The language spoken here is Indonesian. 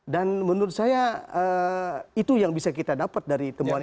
dan menurut saya itu yang bisa kita dapat dari temuan itu